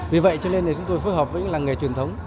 vì vậy cho nên chúng tôi phối hợp với làng nghề truyền thống